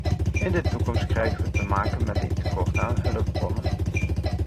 In de toekomst krijgen we te maken met een tekort aan hulpbronnen.